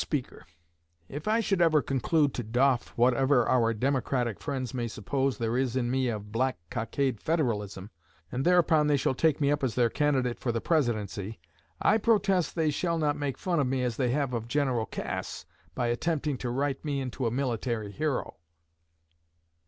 Speaker, if I should ever conclude to doff whatever our Democratic friends may suppose there is in me of black cockade Federalism, and thereupon they shall take me up as their candidate for the Presidency, I protest they shall not make fun of me as they have of General Cass by attempting to write me into a military hero."